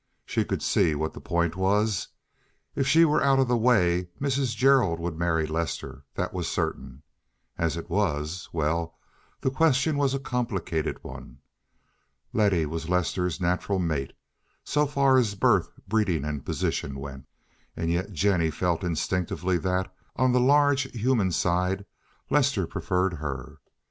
She could see what the point was. If she were out of the way Mrs. Gerald would marry Lester; that was certain. As it was—well, the question was a complicated one. Letty was Lester's natural mate, so far as birth, breeding, and position went. And yet Jennie felt instinctively that, on the large human side, Lester preferred her.